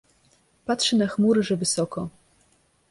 Patrzy na chmury, że wysoko.